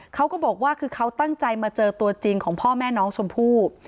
เขาก็บอกว่าคือเขาตั้งใจมาเจอตัวจริงของพ่อแม่น้องชมพู่